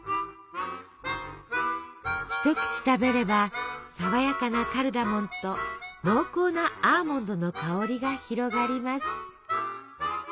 一口食べれば爽やかなカルダモンと濃厚なアーモンドの香りが広がります。